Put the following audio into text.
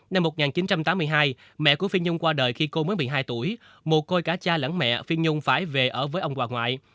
năm một nghìn chín trăm tám mươi hai mẹ của phi nhung qua đời khi cô mới một mươi hai tuổi mồ côi cả cha lẫn mẹ phi nhung phải về ở với ông bà ngoại